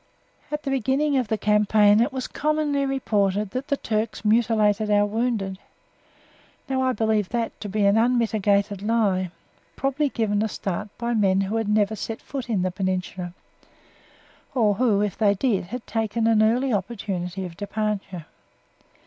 At the beginning of the campaign it was commonly reported that the Turks mutilated our wounded. Now I believe that to be an unmitigated lie, probably given a start by men who had never set foot in the Peninsula or who, if they did, had taken an early opportunity of departure.